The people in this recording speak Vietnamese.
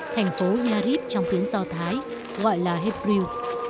thành phố yarib trong tiếng do thái gọi là hebrews